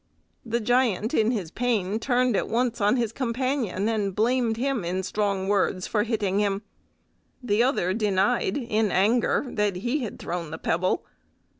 The giant in his pain turned at once on his companion, and blamed him in strong words for hitting him. The other denied in anger that he had thrown the pebble.